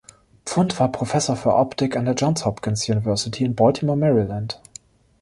Pfund war Professor für Optik an der Johns Hopkins University in Baltimore, Maryland.